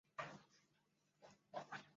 混合语是指多种语言融合产生的语言。